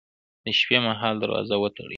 د شپې مهال دروازه وتړئ